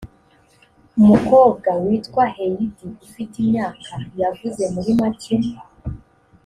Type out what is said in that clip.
umukobwa witwa heidi ufite imyaka yavuze muri make